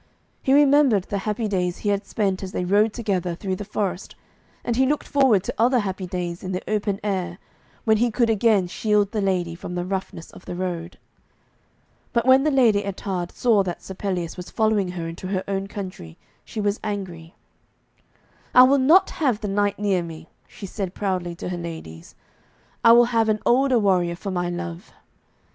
He remembered the happy days he had spent as they rode together through the forest, and he looked forward to other happy days in the open air, when he could again shield the lady from the roughness of the road. But when the Lady Ettarde saw that Sir Pelleas was following her into her own country, she was angry. 'I will not have the knight near me,' she said proudly to her ladies. 'I will have an older warrior for my love.'